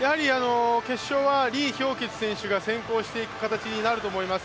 決勝は李氷潔選手が先行していく形になると思います。